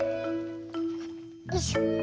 よいしょ。